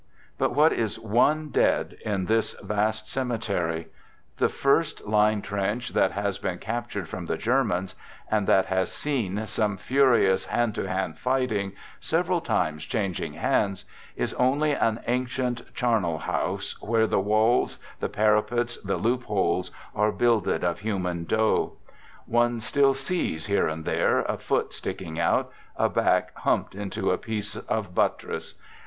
But what is one dead in this vast cemetery I The first line trench that has been captured from the Germans, and that has seen some furious, hand to hand fighting, several times changing hands, is only an ancient charnel house, where the walls, the parapets, the loop holes are builded of human dough. One still sees, here and there, a foot sticking out, a back humped into a piece of buttress.